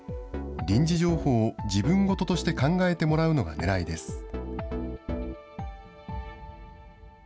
臨時情報を自分ごととして考えてもらうのがねらいです。